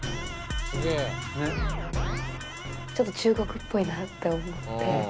ちょっと中国っぽいなと思って。